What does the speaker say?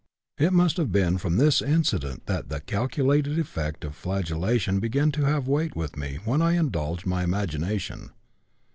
"It must have been from this incident that the calculated effect of flagellation began to have weight with me when I indulged my imagination.